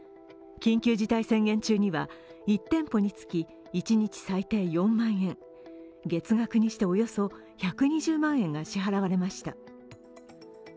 緊急事態宣言中には１店舗につき一日最低４万円、月額にしておよそ１２０万円が支払われました。